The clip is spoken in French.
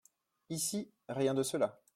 Ici, rien de cela.